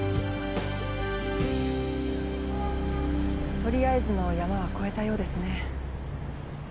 とりあえずの山は越えたようですね。